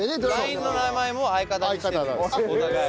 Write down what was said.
ＬＩＮＥの名前も「相方」にしてるお互い。